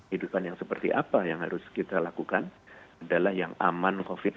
hidupan yang seperti apa yang harus kita lakukan adalah yang aman covid